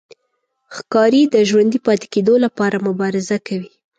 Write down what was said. ښکاري د ژوندي پاتې کېدو لپاره مبارزه کوي.